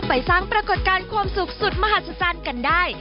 ไปสร้างปรากฏการณ์ความสุขสุดมหัศจรรย์กันได้